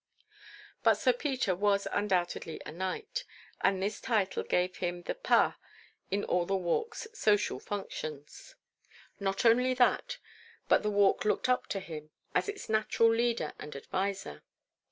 But Sir Peter was undoubtedly a knight, and his title gave him the pas in all the Walk's social functions. Not only that, but the Walk looked up to him as its natural leader and adviser.